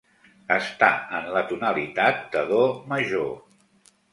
Està en la tonalitat de do major.